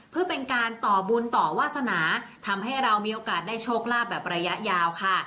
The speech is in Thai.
เพื่อเป็นการต่อบุญต่อวาสนาทำให้เรามีโอกาสได้โชคลาภแบบระยะยาวค่ะ